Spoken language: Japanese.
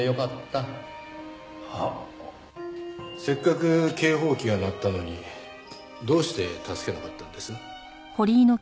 せっかく警報器が鳴ったのにどうして助けなかったんです？